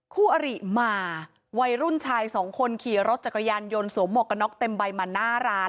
คู่อริมาวัยรุ่นชายสองคนขี่รถจักรยานยนต์สวมหมวกกระน็อกเต็มใบมาหน้าร้าน